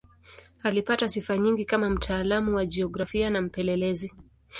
Alipata sifa nyingi kama mtaalamu wa jiografia na mpelelezi.